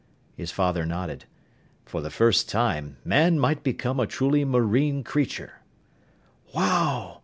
His father nodded. "For the first time, man might become a truly marine creature!" "Wow!